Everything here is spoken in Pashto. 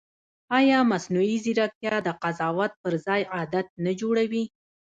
ایا مصنوعي ځیرکتیا د قضاوت پر ځای عادت نه جوړوي؟